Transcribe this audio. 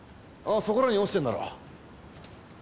そこらに落ちてるだろ。